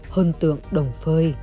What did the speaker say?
hơn tượng đồng phơi